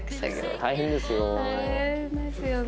大変ですよね。